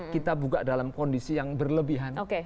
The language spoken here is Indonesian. kita buka dalam kondisi yang berlebihan